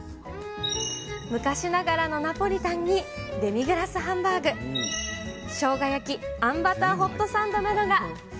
昔ながらのナポリタンにデミグラスハンバーグ、しょうが焼き、あんバターホットサンドなどが。